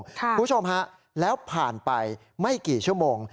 คุณผู้ชมฮะแล้วผ่านไปไม่กี่ชั่วโมง